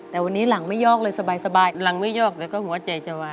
แต่วันนี้หลังไม่ยอกเลยสบายหลังไม่ยอกแล้วก็หัวใจจะวาย